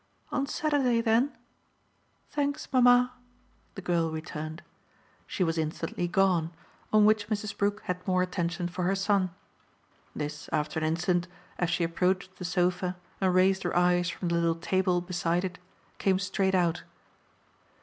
"On Saturday then? Thanks, mamma," the girl returned. She was instantly gone, on which Mrs. Brook had more attention for her son. This, after an instant, as she approached the sofa and raised her eyes from the little table beside it, came straight out.